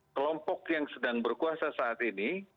kelompok yang sedang berkuasa saat ini